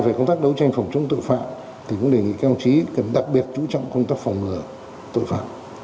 về công tác đấu tranh phòng chống tội phạm thì cũng đề nghị cao trí cần đặc biệt chú trọng công tác phòng ngừa tội phạm